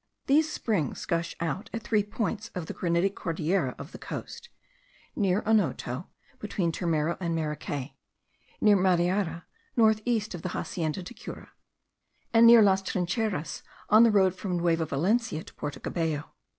These springs gush out at three points of the granitic Cordillera of the coast; near Onoto, between Turmero and Maracay; near Mariara, north east of the Hacienda de Cura; and near Las Trincheras, on the road from Nueva Valencia to Porto Cabello.